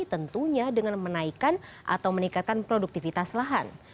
tentunya dengan menaikkan atau meningkatkan produktivitas lahan